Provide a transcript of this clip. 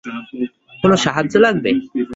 কোন সাহায্য লাগবে?